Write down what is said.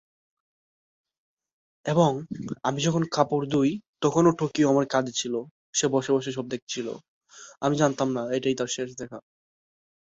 এরপর রাস্তাটি উত্তরদিকে চলতে থাকে।